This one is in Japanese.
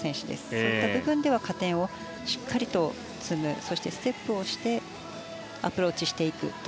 そういった部分では加点をしっかり積むステップをしてアプローチしていく。